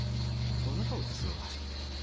その中を鉄道が走っているんだと。